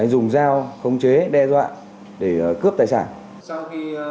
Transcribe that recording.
dùng dao khống chế đe dọa để cướp tài sản